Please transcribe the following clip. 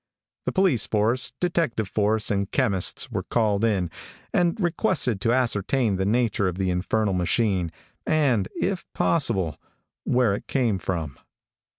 The police force, detective force and chemists were called in, and requested to ascertain the nature of the infernal machine, and, if possible, where it came from.